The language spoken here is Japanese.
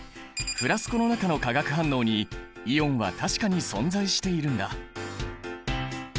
フラスコの中の化学反応にイオンは確かに存在しているんだ。